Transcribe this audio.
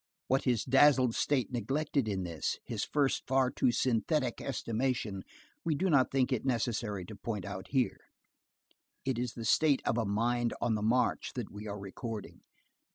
What his dazzled state neglected in this, his first far too synthetic estimation, we do not think it necessary to point out here. It is the state of a mind on the march that we are recording.